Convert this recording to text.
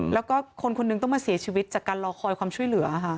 แล้วก็คนคนหนึ่งต้องมาเสียชีวิตจากการรอคอยความช่วยเหลือค่ะ